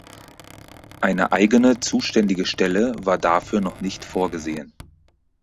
Eine eigene zuständige Stelle war dafür noch nicht vorgesehen.